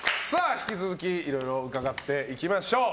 引き続きいろいろ伺っていきましょう。